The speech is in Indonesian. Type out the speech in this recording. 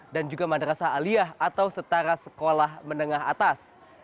dan juga madrasah aliyah atau setara sekolah menengah atas